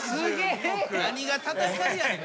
何が戦いやねん？